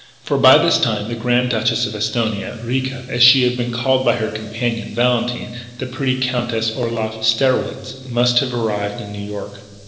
For by this time the Grand Duchess of Esthonia Ricca, as she was called by her companion, Valentine, the pretty Countess Orloff Strelwitz must have arrived in New York.